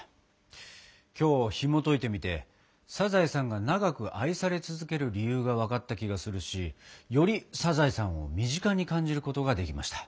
今日ひもといてみて「サザエさん」が長く愛され続ける理由が分かった気がするしより「サザエさん」を身近に感じることができました。